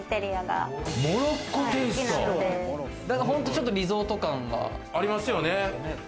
ちょっとリゾート感がありますよね。